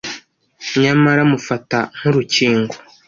Nyamara mufata nkurukingo